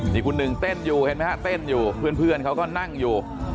นี่คุณหนึ่งเต้นอยู่เห็นไหมฮะเต้นอยู่เพื่อนเขาก็นั่งอยู่